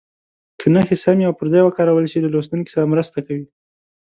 که نښې سمې او پر ځای وکارول شي له لوستونکي سره مرسته کوي.